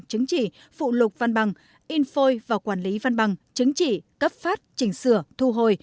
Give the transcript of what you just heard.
chứng chỉ phụ lục văn bằng info và quản lý văn bằng chứng chỉ cấp phát chỉnh sửa thu hồi